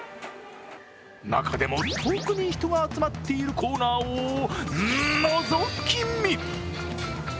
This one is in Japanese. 中でも、特に人が集まっているコーナーをのぞき見。